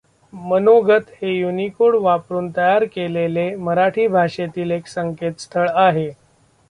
मनोगत हे युनिकोड वापरून तयार केलेले मराठी भाषेतले एक संकेतस्थळ आहे.